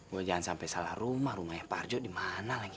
gue jangan sampai salah rumah rumahnya pak arjo di mana lagi